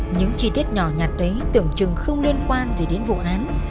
những chi tiết nhỏ nhạt ấy tưởng chừng không liên quan gì đến vụ án